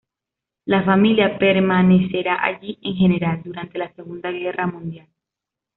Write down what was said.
La familia permanecerá allí en general durante la Segunda Guerra Mundial.